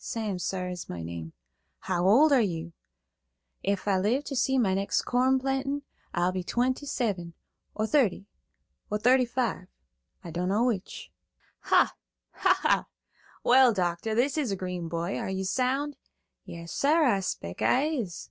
"Sam, sar, is my name." "How old are you?" "Ef I live ter see next corn plantin' I'll be twenty seven, or thirty, or thirty five, I dunno which." "Ha, ha ha! Well, doctor, this is a green boy. Are you sound?" "Yas, sar; I spec' I is."